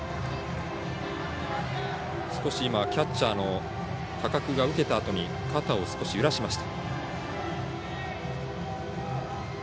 キャッチャーの高久が受けたあとに肩を少し揺らしました。